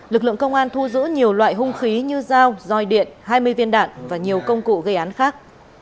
lực lượng công an thu giữ nhiều loại hung khí như dao roi điện hai mươi viên đạn và nhiều công cụ gây án khác